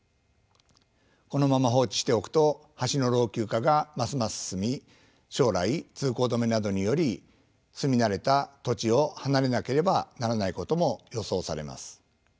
このまま放置しておくと橋の老朽化がますます進み将来通行止めなどにより住み慣れた土地を離れなければならないことも予想されます。